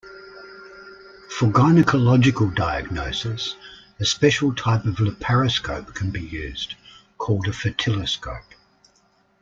For gynecological diagnosis, a special type of laparoscope can be used, called a fertiloscope.